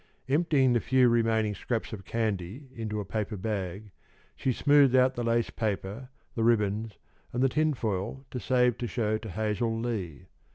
Emptying the few remaining scraps of candy into a paper bag, she smoothed out the lace paper, the ribbons, and the tinfoil to save to show to Hazel Lee.